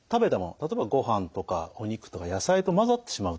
例えばごはんとかお肉とか野菜と混ざってしまうと